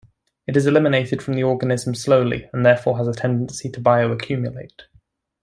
It is eliminated from the organism slowly, and therefore has a tendency to bioaccumulate.